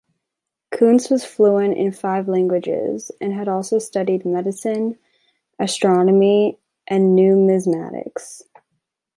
Kunze was fluent in five languages and had also studied medicine, astronomy and numismatics.